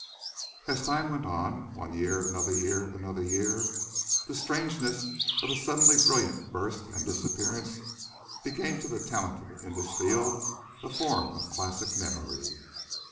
As time went on, one year, another year, another year, the strangeness of his suddenly brilliant burst and disappearance became to the talented in this field a form of classic memory.